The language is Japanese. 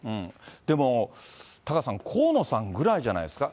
でも、タカさん、河野さんぐらいじゃないですか？